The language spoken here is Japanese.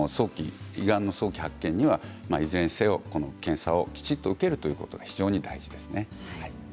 胃がんの早期発見にはいずれにせよこの検査をきちんと受けるということが非常に大事ですね。